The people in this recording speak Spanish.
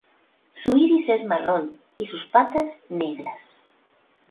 Su iris es marrón y sus patas negras.